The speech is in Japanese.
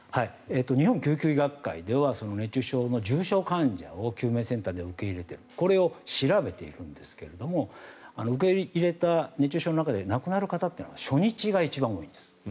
日本救急医学会では熱中症の重症患者を救命センターで受け入れているこれを調べているんですけど受け入れた熱中症の中で亡くなる方というのは初日が一番多いんです。